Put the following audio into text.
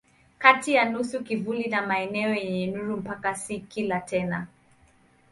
Kati ya nusu kivuli na maeneo yenye nuru mpaka si kali tena.